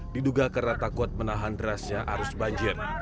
diduga karena takut menahan derasnya arus banjir